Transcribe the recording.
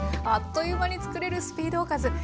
あっという間に作れるスピードおかず。